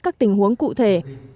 các tình huống cụ thể